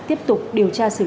tiếp tục điều tra xử lý